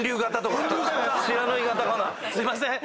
すいません。